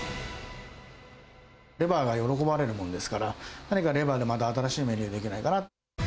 レバーが喜ばれるものですから、何かレバーでまた新しいメニューができないかなって。